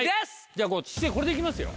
じゃあこれで行きますよ